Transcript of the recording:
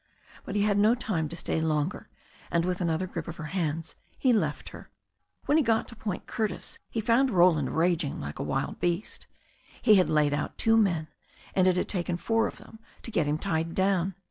But he had no time to stay longer, and with another grip of her hands he left her. When he got to Point Curtis he found Roland raging like a wild beast. He had laid out two men, and it had taken four of them to get him tied down.